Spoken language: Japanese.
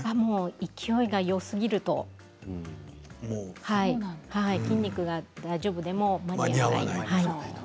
勢いがよすぎると筋肉が大丈夫でも間に合わないことがあります。